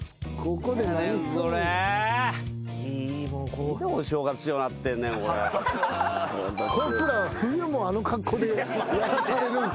こいつらは冬もあの格好でやらされるんか？